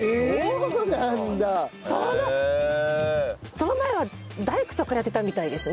その前は大工とかやってたみたいですね。